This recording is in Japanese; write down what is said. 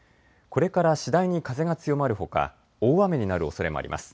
これから次第に風が強まるほか大雨になるおそれもあります。